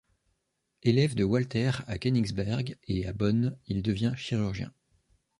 Élève de Walter à Koenigsberg et à Bonn, il devient chirurgien.